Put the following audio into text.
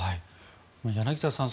柳澤さん